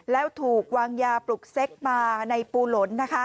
แล้วถูกวางยาปลุกเซ็กมาในปูหลนนะคะ